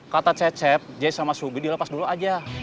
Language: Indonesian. kata cecep js sama subi dilepas dulu aja